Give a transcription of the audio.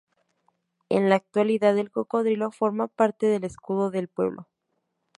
En la actualidad, el cocodrilo forma parte del escudo del pueblo.